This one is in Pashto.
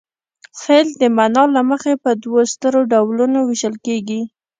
فعل د معنا له مخې په دوو سترو ډولونو ویشل کیږي.